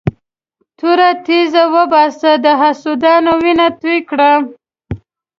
توره تېزه وباسه د حسودانو وینه توی کړه.